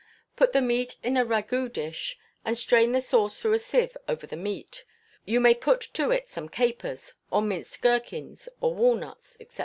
Put the meat in a ragoût dish, and strain the sauce through a sieve over the meat; you may put to it some capers, or minced gherkins, or walnuts, &c.